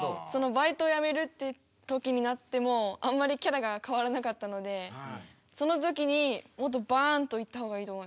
バイトやめるって時になってもあんまりキャラがかわらなかったのでその時にもっとバーンといった方がいいと思います。